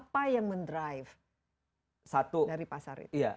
apa yang mendrive dari pasar itu